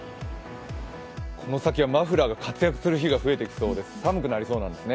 この先はマフラーが活躍する日が増えてきそうで寒くなりそうなんですね。